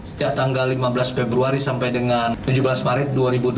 sejak tanggal lima belas februari sampai dengan tujuh belas maret dua ribu dua puluh